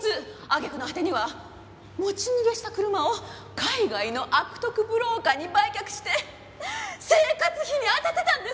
揚げ句の果てには持ち逃げした車を海外の悪徳ブローカーに売却して生活費に充ててたんですから！